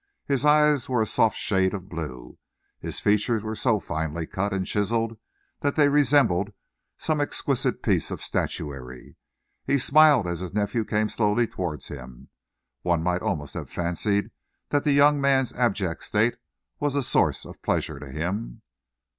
His eyes were a soft shade of blue. His features were so finely cut and chiselled that they resembled some exquisite piece of statuary. He smiled as his nephew came slowly towards him. One might almost have fancied that the young man's abject state was a source of pleasure to him.